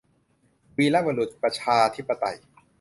วีรบุรุษประชาธิปไตย